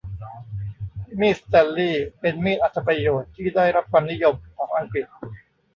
มีดสแตนลีย์เป็นมีดอรรถประโยชน์ที่ได้รับความนิยมของอังกฤษ